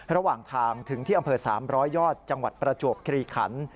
ระหว่างทางถึงที่อำเภอ๓๐๐ยอดจังหวัดประจวบคลีขัน